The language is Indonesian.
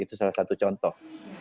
itu salah satu contoh